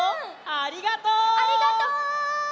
ありがとう！